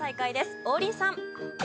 王林さん。